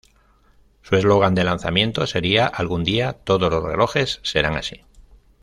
Su eslogan de lanzamiento sería "Algún día, todos los relojes serán así".